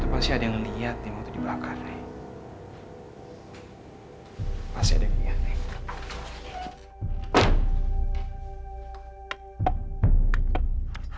orang orang sekitar situ pasti ada yang liat nih